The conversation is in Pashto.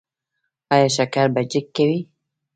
ایا شکر به چیک کوئ؟